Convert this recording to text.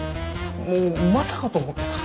もうまさかと思ってさ。